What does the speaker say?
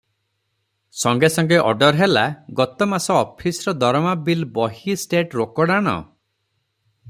ସଙ୍ଗେ ସଙ୍ଗେ ଅଡର୍ ହେଲା- ଗତ ମାସ ଅଫିସର ଦରମା ବିଲ ବହି- ଷ୍ଟେଟ ରୋକଡ୍ ଆଣ?